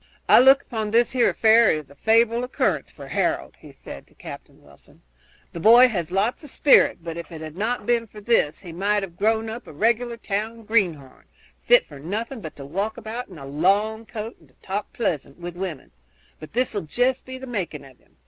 "I look upon this here affair as a favorable occurrence for Harold," he said to Captain Wilson. "The boy has lots of spirits, but if it had not been for this he might have grown up a regular town greenhorn, fit for nothing but to walk about in a long coat and to talk pleasant to women; but this 'll jest be the making of him.